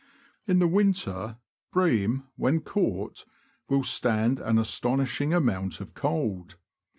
In the winter, bream, when caught, will stand an astonishing amount of cold.